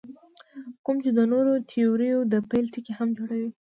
کوم چې د نورو تیوریو د پیل ټکی هم جوړوي.